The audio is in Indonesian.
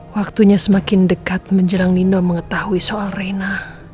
waktunya semakin dekat menjelang nino mengetahui soal reina